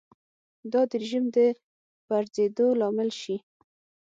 دا د رژیم د پرځېدو لامل شي.